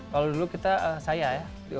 kalau dulu kita saya ya